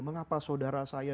mengapa saudara saya